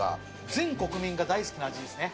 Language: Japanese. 全国民が大好きな味ですね。